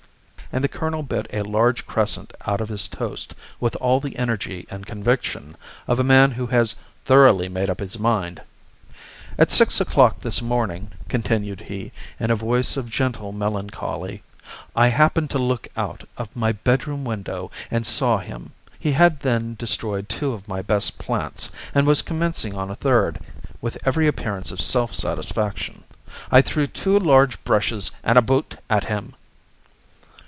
And the colonel bit a large crescent out of his toast, with all the energy and conviction of a man who has thoroughly made up his mind. "At six o'clock this morning," continued he, in a voice of gentle melancholy, "I happened to look out of my bedroom window, and saw him. He had then destroyed two of my best plants, and was commencing on a third, with every appearance of self satisfaction. I threw two large brushes and a boot at him."